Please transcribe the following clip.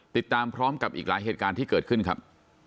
ติดตามพร้อมกับอีกหลายเหตุการณ์ที่เกิดขึ้นครับ